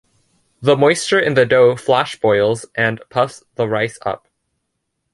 The moisture in the dough flash boils and puffs the rice up.